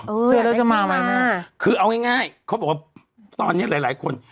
เออคือเอาง่ายง่ายเขาบอกว่าตอนเนี้ยหลายหลายคน